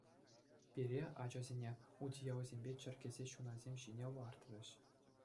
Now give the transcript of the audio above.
Пире, ачасене, утиялсемпе чӗркесе ҫунасем ҫине лартрӗҫ.